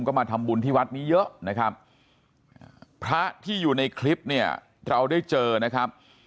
ก็มาทำบุญที่วัดนี้เยอะนะครับพระที่อยู่ในคลิปเนี่ยเราได้เจอนะครับ